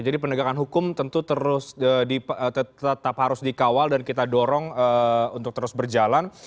jadi penegakan hukum tentu tetap harus dikawal dan kita dorong untuk terus berjalan